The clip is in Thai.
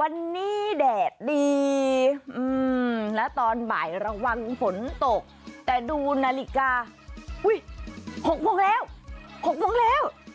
วันนี้แดดดีและตอนบ่ายระวังฝนตกแต่ดูนาฬิกา๖โมงแล้ว๖โมงแล้ว